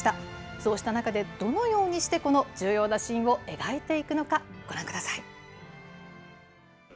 そうした中で、どのようにしてこの重要なシーンを描いていくのか、ご覧ください。